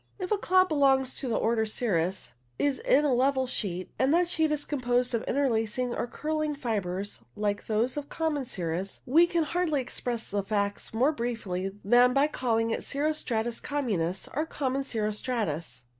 If a cloud belongs to the order cirrus, is in a level sheet, and that sheet is composed of interlacing or curling fibres, like those of common cirrus, we can hardly express the facts more briefly than by calling it cirro stratus communis, or common cirro stratus.